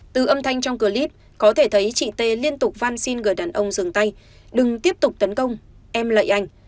từ âm thanh trong clip có thể thấy chị t liên tục văn xin người đàn ông dừng tay đừng tiếp tục tấn công em lợi anh